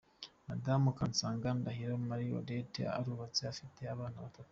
Madamu Kansanga Ndahiro Marie Odette arubatse, afite abana batatu.